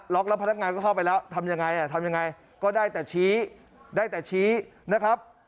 แล้วพนักงานก็เข้าไปแล้วทำยังไงทำยังไงก็ได้แต่ชี้ได้แต่ชี้นะครับ